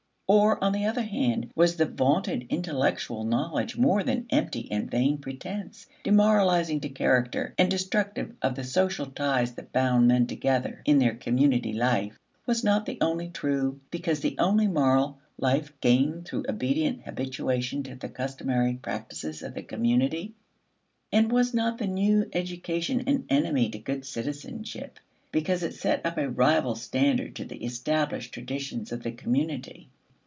Or, on the other hand, was the vaunted intellectual knowledge more than empty and vain pretense, demoralizing to character and destructive of the social ties that bound men together in their community life? Was not the only true, because the only moral, life gained through obedient habituation to the customary practices of the community? And was not the new education an enemy to good citizenship, because it set up a rival standard to the established traditions of the community?